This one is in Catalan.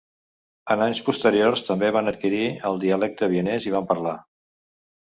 En anys posteriors també van adquirir el dialecte vienès i van parlar.